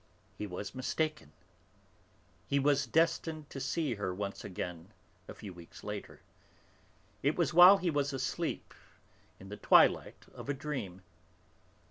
He was mistaken. He was destined to see her once again, a few weeks later. It was while he was asleep, in the twilight of a dream.